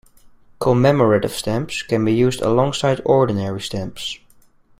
Commemorative stamps can be used alongside ordinary stamps.